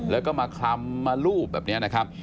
แล้วก็มาคลำมารูปแบบนี้นะครับ